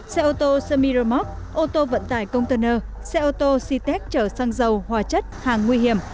xe ô tô semi remote ô tô vận tải container xe ô tô c tec trở sang dầu hòa chất hàng nguy hiểm